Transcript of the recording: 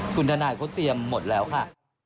คุณทนายเขาเตรียมหมดแล้วค่ะ